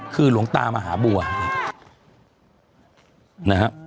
คือหลวงตามหาบัวนะฮะ